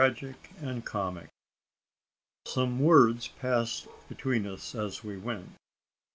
TRAGIC AND COMIC. Some words passed between us as we went.